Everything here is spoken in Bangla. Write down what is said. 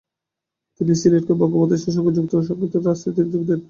তিনি সিলেটকে বঙ্গ প্রদেশের সঙ্গে সংযুক্ত রাখতে রাজনীতে যোগদেন।